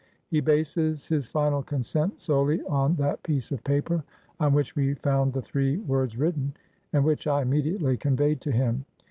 He bases his final consent solely on that piece of paper on which we found the three words written, and which I immediately conveyed to him.